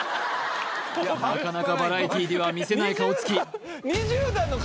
なかなかバラエティーでは見せない顔つき